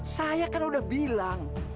saya kan udah bilang